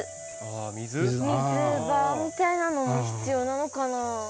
水場みたいなのも必要なのかなぁ。